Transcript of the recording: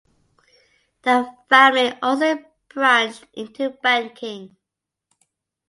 The family also branched into banking.